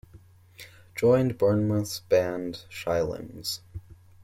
Joined Bournemouth's band Shy Limbs.